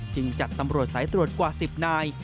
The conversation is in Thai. จัดตำรวจสายตรวจกว่า๑๐นาย